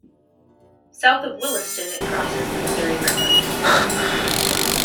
South of Williston it crosses the Missouri River.